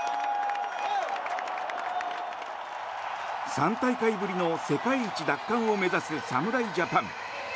３大会ぶりの世界一奪還を目指す侍ジャパン。